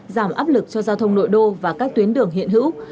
giảm áp lực cho giao thông nội đô và các tuyến đường hiện hữu